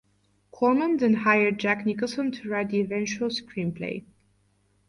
Corman then hired Jack Nicholson to write the eventual screenplay.